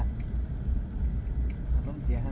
เรามันต้องไปเจอกันก่อน